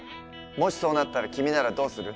もしそうなったら君ならどうする？